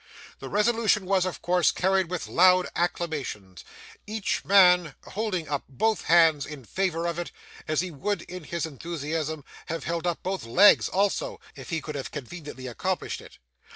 The resolution was, of course, carried with loud acclamations, every man holding up both hands in favour of it, as he would in his enthusiasm have held up both legs also, if he could have conveniently accomplished it.